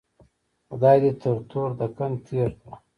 خدای دې تر تور دکن تېر کړه.